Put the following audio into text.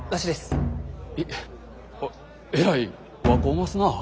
えっえらい若おますなあ。